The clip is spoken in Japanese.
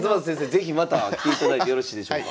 是非また来ていただいてよろしいでしょうか？